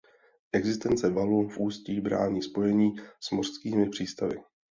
Existence valu v ústí brání spojení s mořskými přístavy.